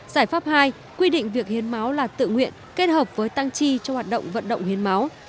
giải pháp hai quy định việc hiến máu là tự nguyện kết hợp với tăng chi cho hoạt động vận động hiến máu